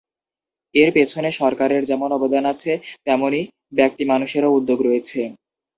এর পেছনে সরকারের যেমন অবদান আছে, তেমনি ব্যক্তি মানুষেরও উদ্যোগ রয়েছে।